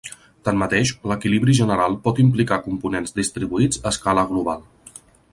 Tanmateix, l'equilibri general pot implicar components distribuïts a escala global.